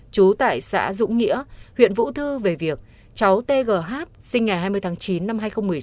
chú tại xã dũng nghĩa huyện vũ thư về việc cháu tgh sinh ngày hai mươi tháng chín năm hai nghìn một mươi tám